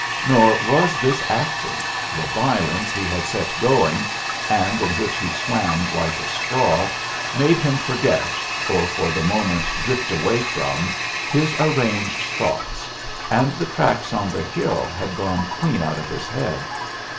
Nor was this acting. The violence he had set going, and in which he swam like a straw, made him forget, or for the moment drift away from, his arranged thoughts, and the tracks on the hill had gone clean out of his head.